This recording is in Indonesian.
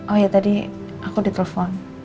oh iya tadi aku di telpon